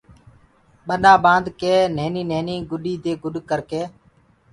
ٻنآ ٻآندڪي نهيني نهيني گدي دي گُڏ ڪرڪي